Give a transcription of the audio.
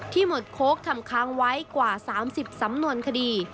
ที่หมดโค๊กทำค้างไว้กว่า๓๐สำนวนคณิต